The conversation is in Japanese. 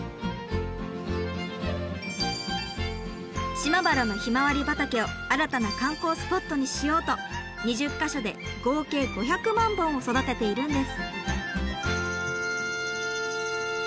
島原のひまわり畑を新たな観光スポットにしようと２０か所で合計５００万本を育てているんです。